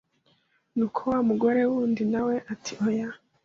Nuko wa mugore wundi na we ati ‘oya!